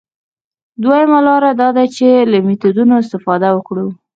دویمه لاره دا ده چې له میتودونو استفاده وکړو.